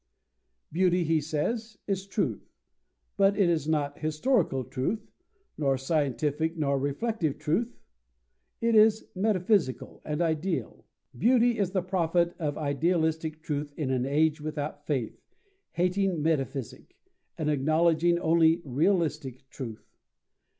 Beauty, he says, is truth, but it is not historical truth, nor scientific nor reflective truth: it is metaphysical and ideal. "Beauty is the prophet of idealistic truth in an age without faith, hating Metaphysic, and acknowledging only realistic truth."